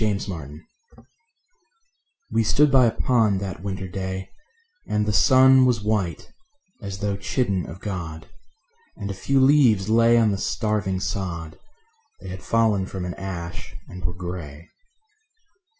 Neutral Tones We stood by a pond that winter day, And the sun was white, as though chidden of God, And a few leaves lay on the starving sod; They had fallen from an ash, and were gray.